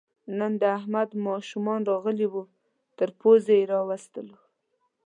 نن د احمد ماشومان راغلي وو، تر پوزې یې راوستلو.